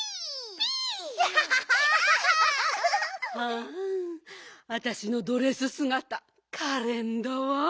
ピー！はわたしのドレスすがたかれんだわ。